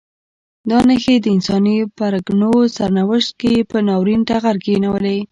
دا نښې د انساني پرګنو سرنوشت یې پر ناورین ټغر کښېنولی.